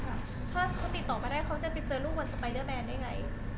ติดต่อได้ค่ะถ้าเขาติดต่อไม่ได้เขาจะไปเจอลูกบนสปายเดอร์แมนได้ไง